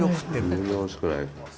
全然おいしくないです。